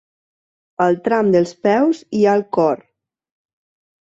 Al tram dels peus hi ha el cor.